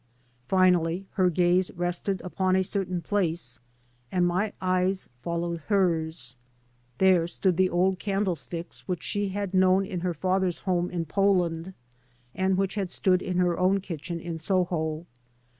Finally her gaze rested upon a certain place, and my eyes followed hers. There stood the old candle sticks which she had known tn her father's home in Poland, and which had stood in her own kitchen in Soho.